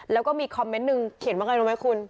แล้วก็มีคอมเมนต์หนึ่งเขียนว่าไงรู้ไหมคุณ